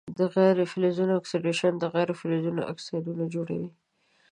د غیر فلزونو اکسیدیشن د غیر فلزونو اکسایدونه جوړوي.